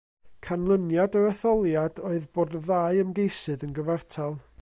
Canlyniad yr etholiad oedd bod y ddau ymgeisydd yn gyfartal.